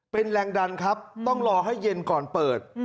เป็นแรงดันครับต้องรอให้เย็นก่อนเปิด